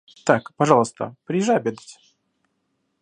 Так, пожалуйста, приезжай обедать.